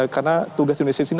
karena tugas indonesia disini